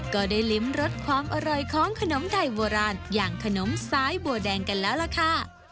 ก็ได้ลิ้มรสความอร่อยของขนมไทยโบราณอย่างขนมซ้ายบัวแดงกันแล้วล่ะค่ะ